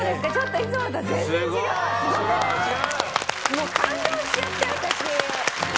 もう感動しちゃって私。